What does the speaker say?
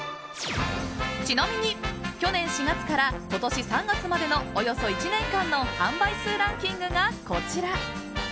ちなみに去年４月から今年３月までのおよそ１年間の販売数ランキングがこちら。